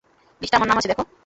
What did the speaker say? লিস্টে আমার নাম আছে দেখো।